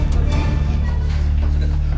dia konduktor nen